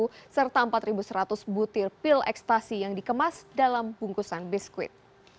pil ekstasi yang dikemas dalam bungkusan biskuit